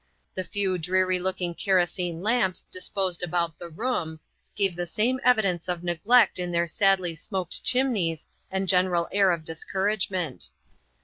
The few dreary looking kerosene lamps disposed about the room gave the same evidence of neglect in their sadly smoked chimneys and general AN OPEN DOOR. 63 air of discouragement.